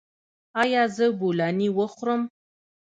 ایا زه بولاني وخورم؟